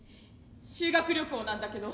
修学旅行なんだけど。